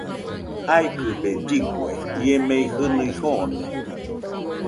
Jaikɨbe lligue, ie mei jɨnui joone.